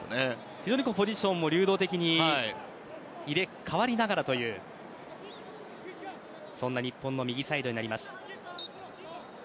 非常にポジションも流動的に入れ替わりながらというそんな日本の右サイドになります。